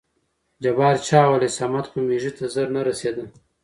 جبار: چا وهلى؟ صمد خو مېږي ته زر نه رسېده.